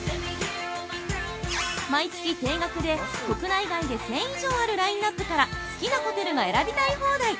毎月定額で国内外で１０００以上あるラインナップから好きなホテルが選びたい放題。